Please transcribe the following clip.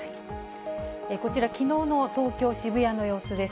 こちら、きのうの東京・渋谷の様子です。